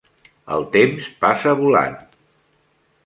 El temps passa volant.